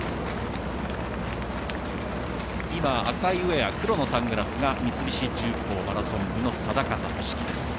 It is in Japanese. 赤いウェア黒のサングラスが三菱重工マラソン部の定方俊樹です。